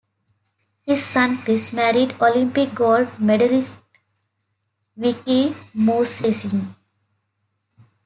His son Chris married Olympic gold medallist Vicki Movsessian.